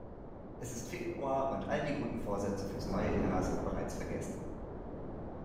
Es ist Februar und all die guten Vorsätze fürs neue Jahr sind bereits vergessen.